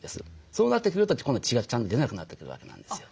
そうなってくると今度血がちゃんと出なくなってくるわけなんですよ。